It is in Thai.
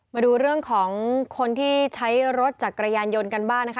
มาดูเรื่องของคนที่ใช้รถจักรยานยนต์กันบ้างนะคะ